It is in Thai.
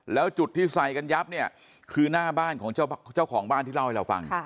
แล้วจุดที่ใส่กันยับเนี่ยคือหน้าบ้านของเจ้าของบ้านที่เล่าให้เราฟัง